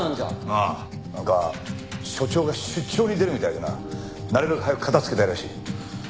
ああなんか署長が出張に出るみたいでななるべく早く片つけたいらしい。